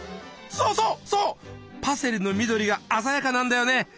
そうそうそうパセリの緑が鮮やかなんだよね。